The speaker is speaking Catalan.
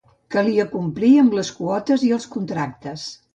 Calia complir amb les quotes i els contractes.